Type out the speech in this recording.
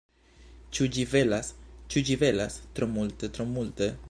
Ĉu ĝi belas? Ĉu ĝi belas?... tro multe, tro multe.